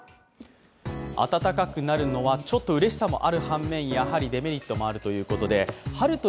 暖かくなるのはちょっとうれしさもある反面、やはりデメリットもあるということです。